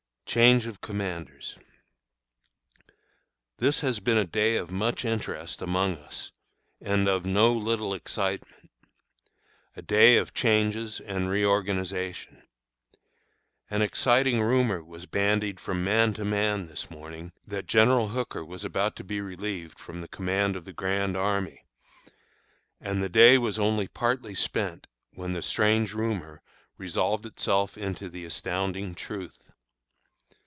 CHANGE OF COMMANDERS. This has been a day of much interest among us and of no little excitement a day of changes and reorganization. An exciting rumor was bandied from man to man this morning, that General Hooker was about to be relieved from the command of the grand army; and the day was only partly spent when the strange rumor resolved itself into the astounding truth.